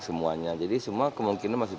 semuanya jadi semua kemungkinan masih